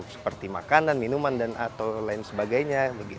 seperti makanan minuman dan atau lain sebagainya